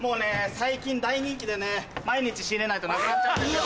最近大人気でね毎日仕入れないとなくなっちゃうんですよ。